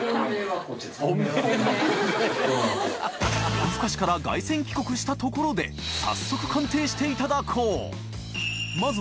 「夜ふかし」から凱旋帰国したところで畭鑑定していただこう磴泙困